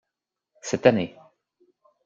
Cette année.